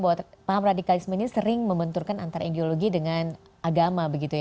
bahwa paham radikalisme ini sering membenturkan antara ideologi dengan agama